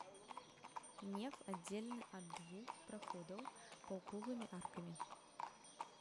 Неф аддзелены ад двух праходаў паўкруглымі аркамі.